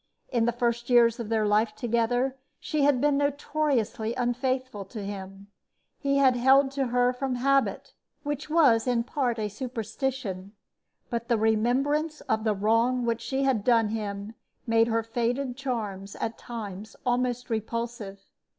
In the first years of their life together she had been notoriously unfaithful to him. He had held to her from habit which was in part a superstition; but the remembrance of the wrong which she had done him made her faded charms at times almost repulsive.